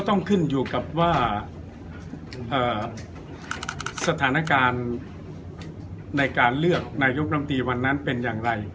ต้องขึ้นอยู่กับว่าสถานการณ์ในการเลือกนายกรรมตรีวันนั้นเป็นอย่างไร